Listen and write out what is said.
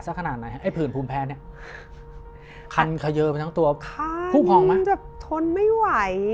สักขนาดไหนฮะไอ้ผื่นภูมิแพ้เนี้ยคันเขยือมาทั้งตัวคันแบบทนไม่ไหว